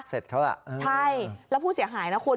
เสร็จเขาล่ะใช่แล้วผู้เสียหายนะคุณ